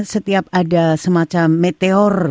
setiap ada semacam meteor